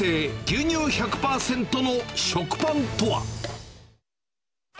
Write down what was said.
牛乳１００％の食パンとは。